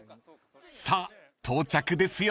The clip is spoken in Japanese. ［さあ到着ですよ］